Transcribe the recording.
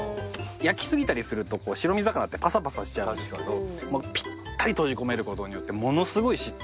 焼きすぎたりすると白身魚ってパサパサしちゃうんですけどピッタリ閉じ込める事によってものすごいしっとりとした。